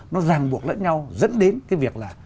nó ràng buộc lẫn nhau dẫn đến cái việc là